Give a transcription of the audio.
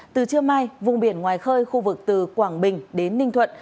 từ trưa mai vùng biển ngoài khơi khu vực từ quảng bình đến ninh thuận